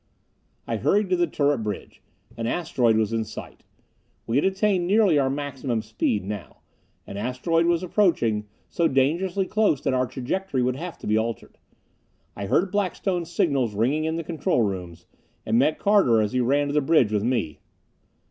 I hurried to the turret bridge. An asteroid was in sight. We had attained nearly our maximum speed now. An asteroid was approaching, so dangerously close that our trajectory would have to be altered. I heard Blackstone's signals ringing in the control rooms; and met Carter as he ran to the bridge with me.